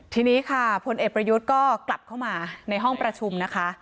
ทีนี้ค่ะพลเอกประยุทธ์ก็กลับเข้ามาในห้องประชุมนะคะ